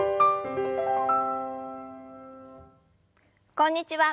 こんにちは。